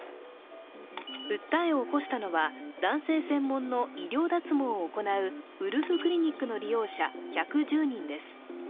訴えを起こしたのは、男性専門の医療脱毛を行うウルフクリニックの利用者１１０人です。